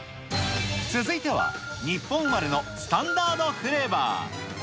続いては、日本生まれのスタンダードフレーバー。